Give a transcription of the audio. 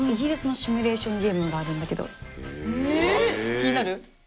気になる？